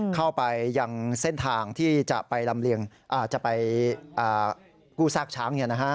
เข้าไปอย่างเส้นทางที่จะไปกู้ซากช้างเนี่ยนะฮะ